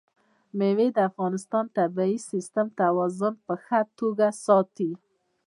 مېوې د افغانستان د طبعي سیسټم توازن په ښه توګه ساتي.